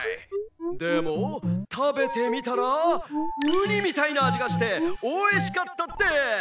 でもたべてみたらうにみたいなあじがしておいしかったです！